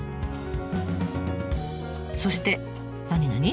そしてなになに？